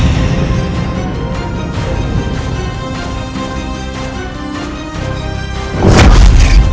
nyai nggak peur